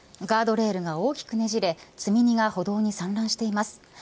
ガードレールが大きくねじれ積み荷が歩道に散乱しています。